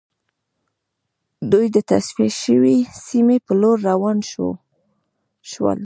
دوی د تصفیه شوې سیمې په لور روان شول